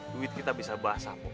duit kita bisa basah